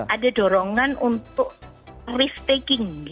ada dorongan untuk risk taking